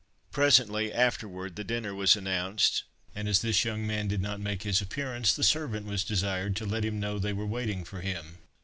Presently afterward the dinner was announced; and as this young man did not make his appearance, the servant was desired to let him know they were waiting for him.